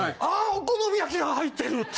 「ああお好み焼きが入ってる！」